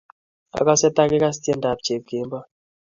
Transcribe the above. Akase ta kigas tyendap Chepkemboi.